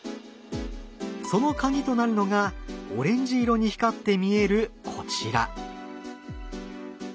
そのカギとなるのがオレンジ色に光って見えるこちら。